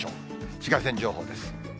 紫外線情報です。